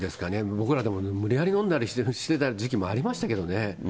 僕らでも、無理やり飲んだりしてた時期もありましたけどね。